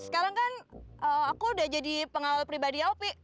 sekarang kan aku udah jadi pengawal pribadinya opi